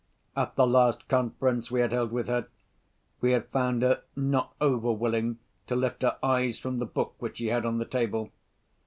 At the last conference we had held with her, we had found her not over willing to lift her eyes from the book which she had on the table.